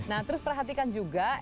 nah terus perhatikan juga